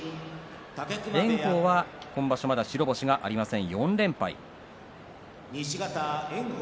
炎鵬は今場所まだ白星がありません４連敗です。